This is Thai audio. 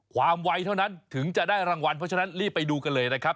ไวเท่านั้นถึงจะได้รางวัลเพราะฉะนั้นรีบไปดูกันเลยนะครับ